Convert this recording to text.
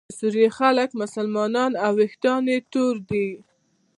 د سوریې خلک مسلمانان او ویښتان یې تور دي.